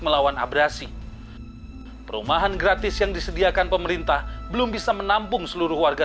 melawan abrasi perumahan gratis yang disediakan pemerintah belum bisa menampung seluruh warga